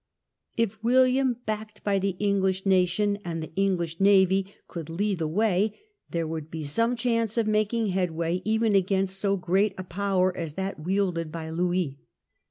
If William, backed by the English nation and the English navy, could lead the way, there would be some chance of making headway even against so great a power as that wielded by Louis.